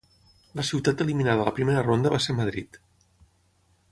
La ciutat eliminada a la primera ronda va ser Madrid.